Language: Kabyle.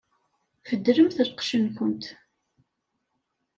Beddlemt lqecc-nkent!